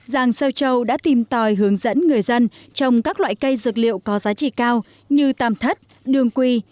giàng xeo châu đã tìm tòi hướng dẫn người dân trồng các loại cây dược liệu có giá trị cao như tàm thất đường quỳ